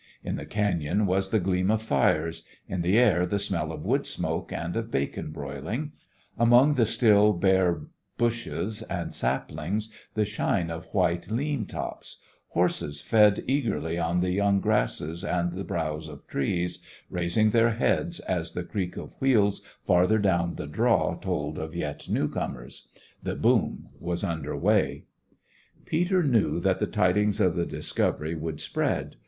In the cañon was the gleam of fires; in the air the smell of wood smoke and of bacon broiling; among the still bare bushes and saplings the shine of white lean tops; horses fed eagerly on the young grasses and the browse of trees, raising their heads as the creak of wheels farther down the draw told of yet new comers. The boom was under way. Peter knew that the tidings of the discovery would spread.